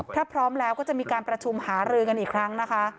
ถ้าพร้อมแล้วก็จะมีการประชุมหารือกันอีกครั้งนะคะ